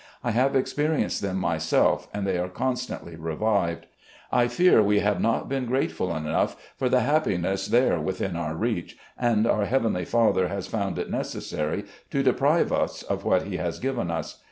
I have experienced them myself, and they are constantly revived. I fear we have not been grateful enough for the happiness there within our reach, and oitr heavenly Father has found it necessary to deprive us of what He has given us.